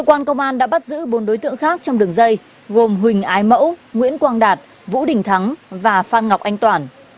cơ quan công an đã bắt giữ bốn đối tượng khác trong đường dây gồm huỳnh ái mẫu nguyễn quang đạt vũ đình thắng và phan ngọc anh toản